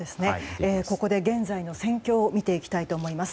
ここで現在の戦況を見ていきたいと思います。